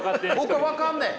僕は分かんねん！